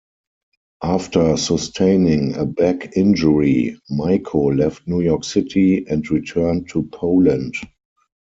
After sustaining a back injury, Miko left New York City and returned to Poland.